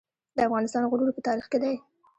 د افغانستان غرور په تاریخ کې دی